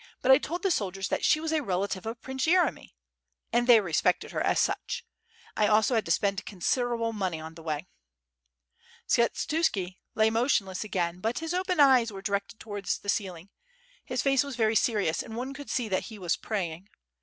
but I told the soldiers 'that she was a relative of Prince Yeremy,' and they respected her as such. ... I also had to spend con siderable money on the way." .... Skshetuski lay motionless again, but his open eyes were directed towards the ceiling, his face was very serious and one could see that he was praying.